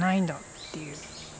っていう